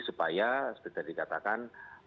supaya seperti dikatakan